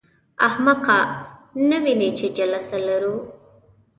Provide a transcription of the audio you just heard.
احمقه! نه وینې چې جلسه لرو.